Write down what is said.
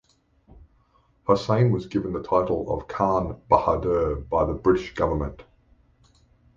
Hossain was given the title of Khan Bahadur by the British Government.